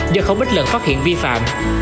do không ít lần phát hiện vi phạm